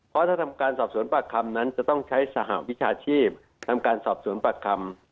เพราะถ้าทำการสอบสวนปากคำนั้นจะต้องใช้สหวิชาชีพทำการสอบสวนปากคำ